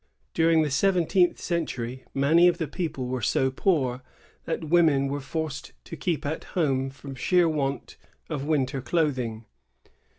During the seventeenth century, many of the people were so poor that women were forced to keep at home from sheer want of winter clothing.